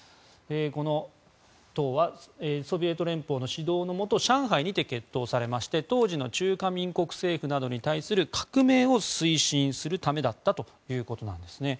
この党はソビエト連邦の指導のもと上海にて結党されまして当時の中華民国政府に対する革命を推進するためだったということなんです。